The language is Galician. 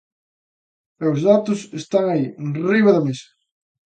E os datos están aí enriba da mesa.